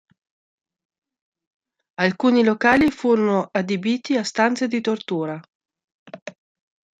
Alcuni locali furono adibiti a stanze di tortura.